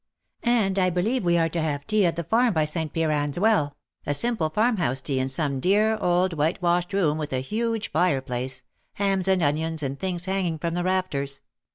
And I believe we are to have tea at the farm by St. Piran^s well — a simple farmhouse tea in some dear old whitewashed room with a huge fireplace, hams and onions and things hanging from the rafters.